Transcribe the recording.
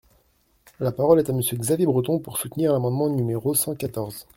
La parole est à Monsieur Xavier Breton, pour soutenir l’amendement numéro cent quatorze.